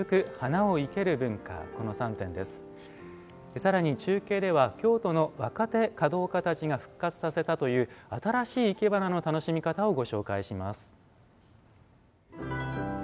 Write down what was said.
さらに中継では京都の若手華道家たちが復活させたという新しいいけばなの楽しみ方をご紹介します。